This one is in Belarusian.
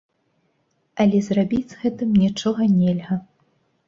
Але зрабіць з гэтым нічога нельга.